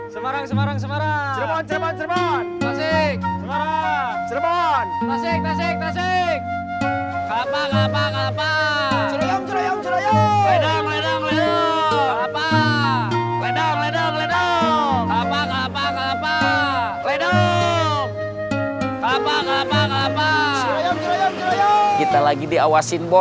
semarang semarang semarang